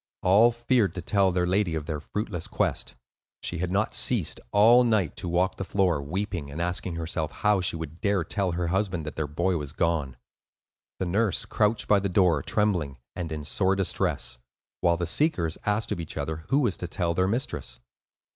All feared to tell their lady of their fruitless quest. She had not ceased, all night, to walk the floor, weeping, and asking herself how she would dare tell her husband that their boy was gone. The nurse crouched by the door, trembling, and in sore distress; while the seekers asked of each other who was to tell their mistress.